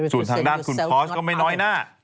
ส่วนทางด้านคุณพอร์สก็ไม่น้อยหน้า